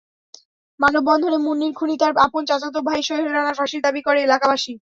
মানববন্ধনে মুন্নীর খুনি তার আপন চাচাতো ভাই সোহেল রানার ফাঁসির দাবি করে এলাকাবাসী।